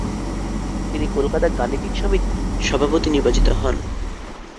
তিনি কলকাতা গাণিতিক সমিতির সভাপতি নির্বাচিত হন।